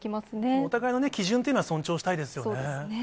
お互いの基準というのは尊重そうですね。